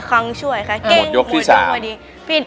คิดหมดจากนั้นเกิดอะไรขึ้น